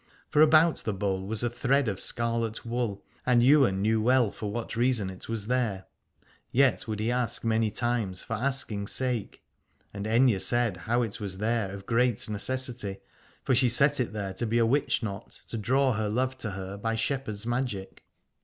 For about the bowl was a thread of scarlet wool, and Ywain knew well for what reason it was there : yet would he ask many times for asking's sake. And Aithne said how it was there of great necessity : for she set it there to be a witchknot, to draw her love to her by shepherd's magic.